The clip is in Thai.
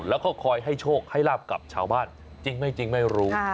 แล้วเขาคอยให้โชคให้ราบกลับชาวบ้านจริงไม่รู้